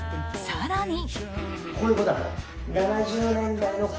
更に。